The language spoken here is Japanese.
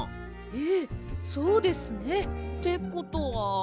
ええそうですね。ってことは。